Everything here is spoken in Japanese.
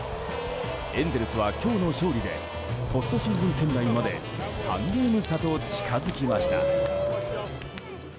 エンゼルスは今日の勝利でポストシーズン圏内まで３ゲーム差と近づきました。